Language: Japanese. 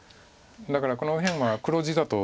だからこの右辺は黒地だと。